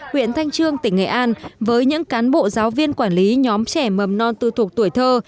huyện thanh trương tỉnh nghệ an với những cán bộ giáo viên quản lý nhóm trẻ mầm non tư thuộc tuổi thơ